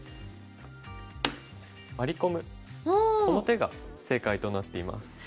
この手が正解となっています。